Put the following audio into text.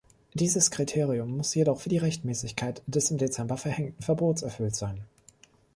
Dieses Kriterium muss jedoch für die Rechtmäßigkeit des im Dezember verhängten Verbots erfüllt sein.